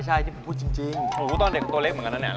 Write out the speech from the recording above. ใช่ที่ผมพูดจริงผมก็ตอนเด็กตัวเล็กเหมือนกันนะเนี่ย